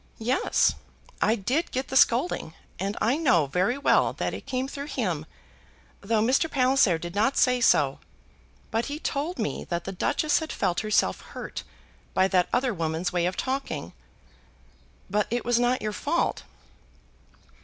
"Yes; I did get the scolding, and I know very well that it came through him, though Mr. Palliser did not say so. But he told me that the Duchess had felt herself hurt by that other woman's way of talking." "But it was not your fault."